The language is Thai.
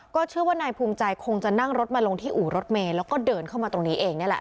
เชื่อว่านายภูมิใจคงจะนั่งรถมาลงที่อู่รถเมย์แล้วก็เดินเข้ามาตรงนี้เองนี่แหละ